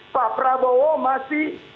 pak prabowo masih